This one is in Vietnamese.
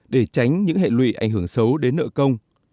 để tránh những hệ lụy ảnh hưởng xấu đến nợ công